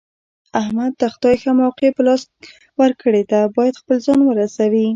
احمد ته خدای ښه موقع په لاس ورکړې ده، باید خپل ځان ورسوي.